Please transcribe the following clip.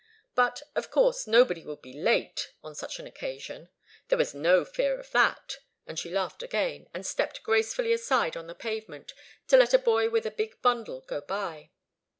But, of course, nobody would be late on such an occasion. There was no fear of that. And she laughed again, and stepped gracefully aside on the pavement to let a boy with a big bundle go by.